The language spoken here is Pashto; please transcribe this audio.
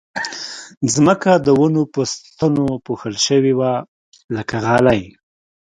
ځمکه د ونو په ستنو پوښل شوې وه لکه غالۍ